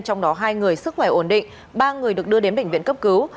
trong đó hai người sức khỏe ổn định ba người được đưa đến bệnh viện cấp cứu